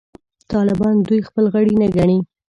طالبان دوی خپل غړي نه ګڼي.